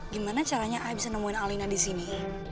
gimana caranya ayah bisa nemuin alina disini